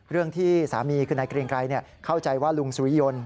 เรื่องที่สามีคือนายเกรงไกรเข้าใจว่าลุงสุริยนต์